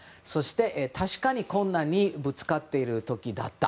確かに困難にぶつかっている時だった。